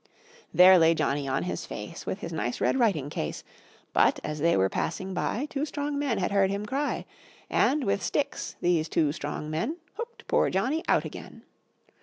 There lay Johnny on his face, With his nice red writing case; But, as they were passing by, Two strong men had heard him cry; And, with sticks, these two strong men Hooked poor Johnny out again.